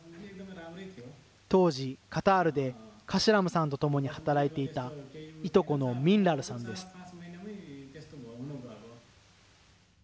当時、カタールでカシラムさんと共に働いていた、いとこのミンラルさんです。